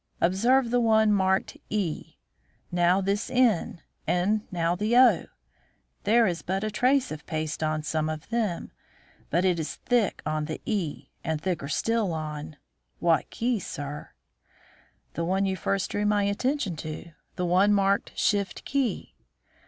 Observe the one marked e; now this n, and now the o. There is but a trace of paste on some of them; but it is thick on the e, and thicker still on what key, sir?" "The one you first drew my attention to; the one marked 'Shift key.'"